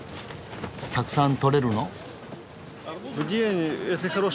たくさん採れるの？